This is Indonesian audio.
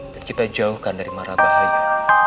dan kita jauhkan dari mara bahaya